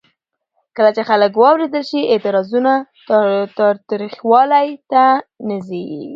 کله چې خلک واورېدل شي، اعتراضونه تاوتریخوالي ته نه ځي.